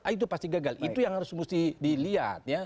itu pasti gagal itu yang harus mesti dilihat ya